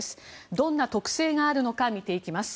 どんな特性があるのか見ていきます。